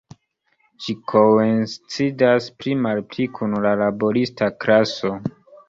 Ĝi koincidas pli malpli kun la laborista klaso.